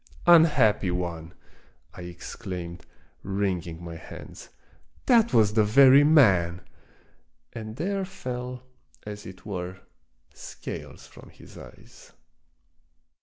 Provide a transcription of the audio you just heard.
"Unhappy one!" I exclaimed, wringing my hands, " that was the very man 1 " and there fell, as it were, scales from his eyes.